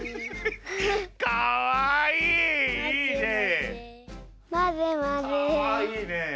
かわいいね。